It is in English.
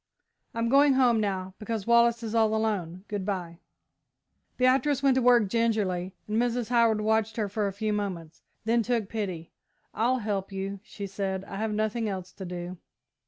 I'm going home now, because Wallace is all alone. Good bye." Beatrice went to work gingerly, and Mrs. Howard watched her for a few moments, then took pity. "I'll help you," she said, "I have nothing else to do."